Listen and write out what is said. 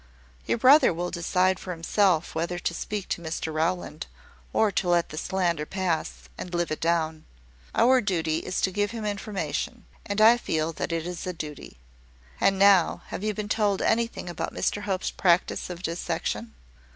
"Your brother will decide for himself whether to speak to Mr Rowland, or to let the slander pass, and live it down. Our duty is to give him information; and I feel that it is a duty. And now, have you been told anything about Mr Hope's practice of dissection?"